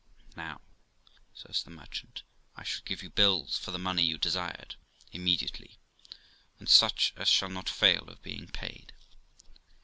'Now', says the merchant, 'I shall give you bills for the money you desired, immediately, and such as shall not fail of being paid.